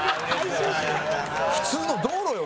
普通の道路よ